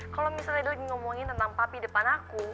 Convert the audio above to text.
kalau misalnya dia lagi ngomongin tentang papi depan aku